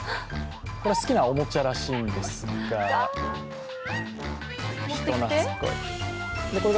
これ、好きなおもちゃらしいんですが、人なつっこい。